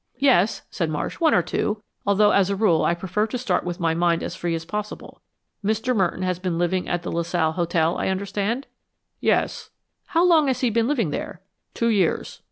"Yes," said Marsh, "one or two; although as a rule I prefer to start with my mind as free as possible. Mr. Merton has been living at the LaSalle Hotel, I understand?" "Yes." "How long has he been living there?" "Two years."